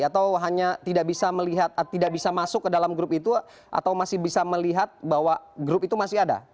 atau hanya tidak bisa melihat tidak bisa masuk ke dalam grup itu atau masih bisa melihat bahwa grup itu masih ada